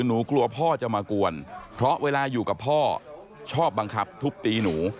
หนูกลัวพ่อจะมากวนเพราะเวลาอยู่กับพ่อชอบบังคับทุบตีหนู